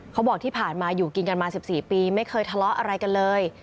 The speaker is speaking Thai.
เขาบอกที่ผ่านมาอยู่กินกันมา๑๔ปีไม่เคยทะเลาะอะไรกันเลย